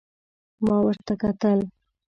ما ورته کتل ،